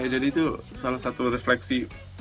jadi itu salah satu refleksi